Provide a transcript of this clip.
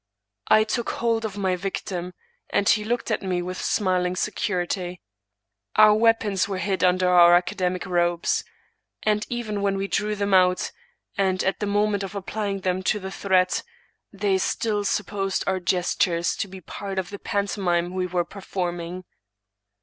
I took hold of my victim, and 'he looked at me with smiling security. Our weapons were hid under our academic robes; and even when we drew them out, and at the moment of applying them to the throat, they still supposed our gestures to be part of the panto imime we were performing.